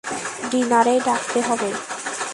ডিনারেই ডাকতে হবে?